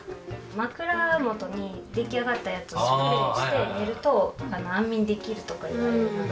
枕元に出来上がったやつをスプレーして寝ると安眠できるとかいわれるので。